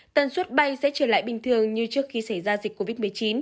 tần suất bay sẽ trở lại bình thường như trước khi xảy ra dịch covid một mươi chín